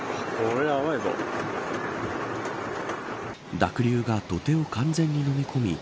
濁流が土手を完全にのみ込み。